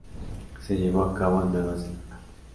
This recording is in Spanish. Se llevó a cabo en Nueva Zelanda.